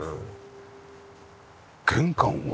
玄関は？